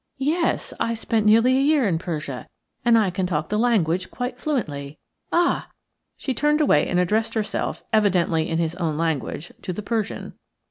"Yes; I spent nearly a year in Persia, and can talk the language quite fluently. Ah!" She turned away and addressed herself, evidently in his own language, to the Persian.